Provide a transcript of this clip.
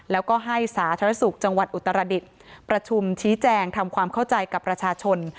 แล้วก็ให้สาธารณสุขจังหวัดอุตรดิษฐ์ประชุมชี้แจงทำความเข้าใจกับประชาชน